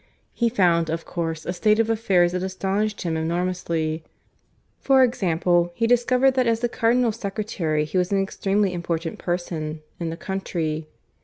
He found, of course, a state of affairs that astonished him enormously. For example, he discovered that as the Cardinal's secretary he was an extremely important person in the country.